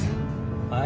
はい。